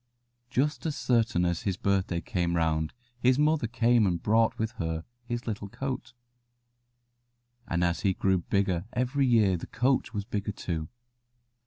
Just as certain as his birthday came round his mother came and brought with her his little coat, and as he grew bigger every year the coat was bigger too.